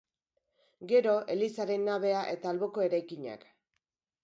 Gero, elizaren nabea eta alboko eraikinak.